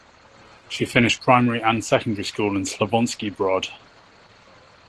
She finished primary and secondary school in Slavonski Brod.